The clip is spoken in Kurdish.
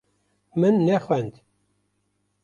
Min nexwend.